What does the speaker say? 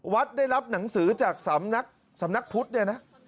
วัดได้รับหนังสือจากสำนักสำนักพุทธเนี่ยนะ